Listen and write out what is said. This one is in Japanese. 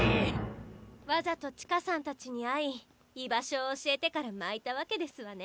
わざと千歌さんたちに会い居場所を教えてから巻いたわけですわね。